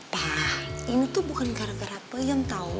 pak ini tuh bukan gara gara peyem tau